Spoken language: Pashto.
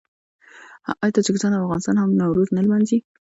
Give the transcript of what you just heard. آیا تاجکستان او افغانستان هم نوروز نه لمانځي؟